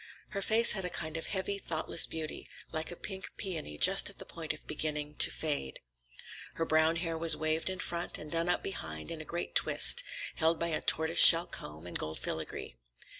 Her face had a kind of heavy, thoughtless beauty, like a pink peony just at the point of beginning to fade. Her brown hair was waved in front and done up behind in a great twist, held by a tortoiseshell comb with gold filigree.